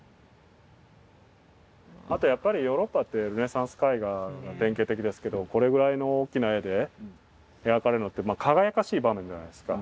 あとやっぱりヨーロッパってルネサンス絵画が典型的ですけどこれぐらいの大きな絵で描かれるのってまあ輝かしい場面じゃないですか。